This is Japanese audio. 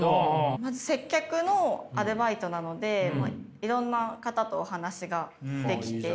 まず接客のアルバイトなのでいろんな方とお話ができて。